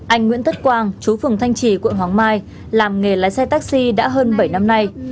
anh nguyễn tất quang chú phường thanh trì quận hoàng mai làm nghề lái xe taxi đã hơn bảy năm nay